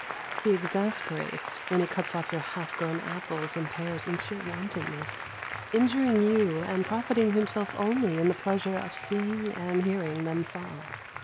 He exasperates when he cuts off your half grown apples and pears in sheer wantonness, injuring you and profiting himself only in the pleasure of seeing and hearing them fall.